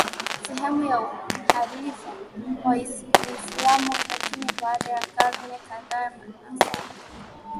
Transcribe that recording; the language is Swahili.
sehemu ya ukhalifa wa Uislamu lakini baada ya karne kadhaa nasaba